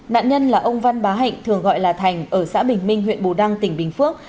nạn nhân là ông văn bá hạnh thường gọi là thành ở xã bình minh huyện bù đăng tỉnh bình phước